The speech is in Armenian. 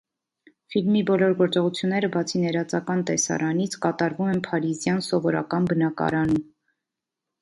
Ֆիլմի բոլոր գործողությունները, բացի ներածական տեսարանից, կատարվում են փարիզյան սովորական բնակարանում։